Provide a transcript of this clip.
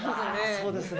そうですね。